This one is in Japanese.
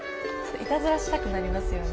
いたずらしたくなりますよね。